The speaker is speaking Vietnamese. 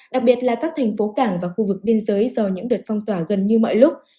đặc biệt là các thành phố cảng và khu vực biên giới do những đợt phong tỏa gần như mọi lúc